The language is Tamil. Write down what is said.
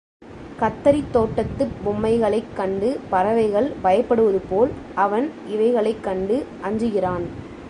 கத்தரித் தோட்டத்துப் பொம்மைகளைக் கண்டு பறவைகள் பயப்படுவதுபோல், அவன் இவைகளைக் கண்டு அஞ்சுகிறான்.